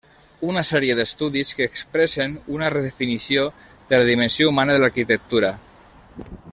Una sèrie d'estudis que expressen una redefinició de la dimensió humana de l'arquitectura.